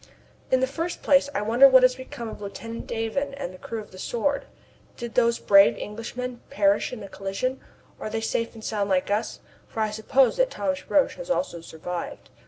In the first place I wonder what has become of Lieutenant Davon and the crew of the Sword. Did those brave Englishmen perish in the collision? Are they safe and sound like us for I suppose that Thomas Roch has also survived?